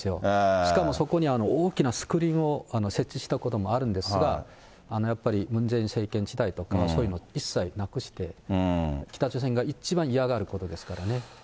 しかもそこに大きなスクリーンを設置したこともあるんですが、やっぱりムン・ジェイン政権時代とかそういうのを一切なくして、北朝鮮が一番嫌がることですからね。